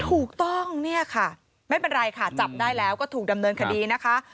ถูกต้องเนี่ยค่ะไม่เป็นไรค่ะจับได้แล้วก็ถูกดำเนินคดีนะคะ